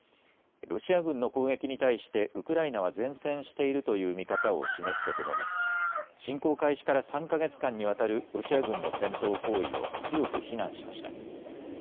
ロシア軍の攻撃に対してウクライナは善戦しているという見方を示すとともに侵攻開始から３か月間にわたるロシア軍の戦闘行為を強く非難しました。